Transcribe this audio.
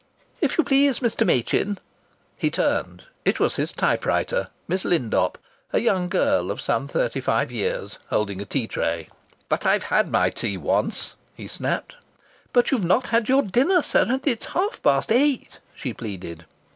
"If you please, Mr. Machin " He turned. It was his typewriter, Miss Lindop, a young girl of some thirty five years, holding a tea tray. "But I've had my tea once!" he snapped. "But you've not had your dinner, sir, and it's half past eight!" she pleaded.